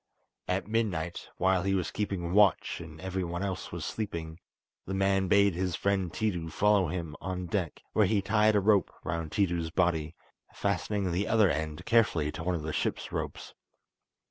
At midnight, while he was keeping watch and everyone else was sleeping, the man bade his friend Tiidu follow him on deck, where he tied a rope round Tiidu's body, fastening the other end carefully to one of the ship's ropes.